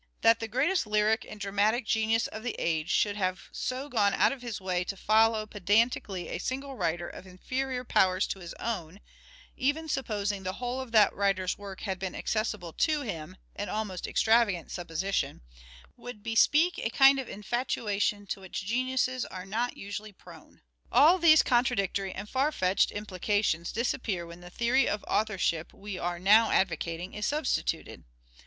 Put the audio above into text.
That the greatest lyric and dramatic genius of the age should have so gone out of his way to follow pedantically a single writer of inferior powers to his own, even supposing the whole of that writer's work had been accessible to him — an almost extravagant supposition — would bespeak a kind of infatuation to which geniuses are not usually prone. All these contradictory and far fetched implications disappear when the theory of authorship we are now MANHOOD OF DE VERK : MIDDLE PERIOD 335 advocating is substituted.